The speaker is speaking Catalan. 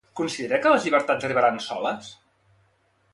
Considera que les llibertats arribaran soles?